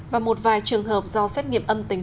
và một vài trường hợp do xét nghiệm âm tính